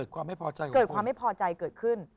เกิดความไม่พอใจเกิดขึ้น